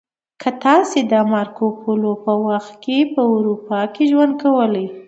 که تاسې د مارکو پولو په وخت کې په اروپا کې ژوند کولی